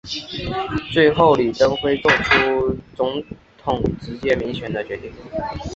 最后李登辉做出总统直接民选的决定。